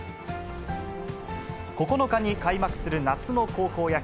９日に開幕する夏の高校野球。